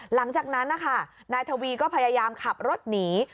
หลังจากนั้นนะคะนายทวีก็พยายามขับรถหนี